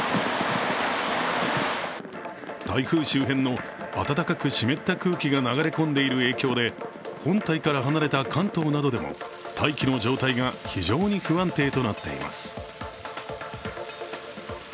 台風周辺の暖かく湿った空気が流れ込んでいる影響で本体から離れた関東などでも大気の状態が非常に不安定となっています。